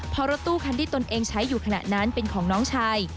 พอรถตู้คันที่ตนเองใช้อยู่ขณะนั้นเป็นของน้องชาย